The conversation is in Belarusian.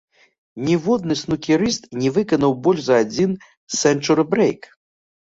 Ніводны снукерыст не выканаў больш за адзін сэнчуры-брэйк.